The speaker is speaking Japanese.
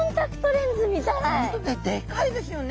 本当でかいですよね。